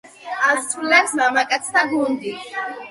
ასრულებს მამაკაცთა გუნდი.